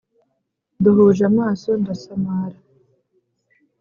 duhuje amaso ndasamara